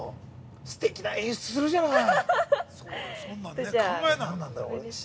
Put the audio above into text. すてきな演出するじゃない。